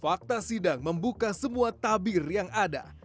fakta sidang membuka semua tabir yang ada